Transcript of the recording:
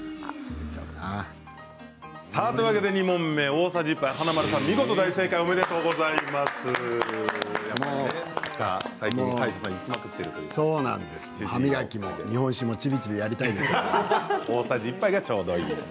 ２問目、大さじ１杯華丸さん、見事大正解おめでとうございます。